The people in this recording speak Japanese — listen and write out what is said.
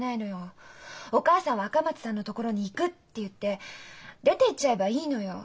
お母さんは「赤松さんのところに行く」って言って出ていっちゃえばいいのよ。